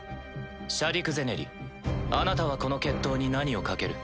シャディク・ゼネリあなたはこの決闘に何を賭ける？